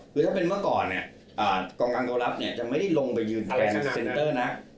คือถ้าเป็นเมื่อก่อนกองกางตัวรับจะไม่ได้ลงไปยืนแผนเซนเตอร์นะ